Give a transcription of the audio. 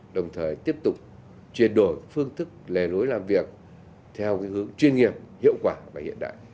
đồng thời tiếp tục chuyển đổi phương thức lề lối làm việc theo hướng chuyên nghiệp hiệu quả và hiện đại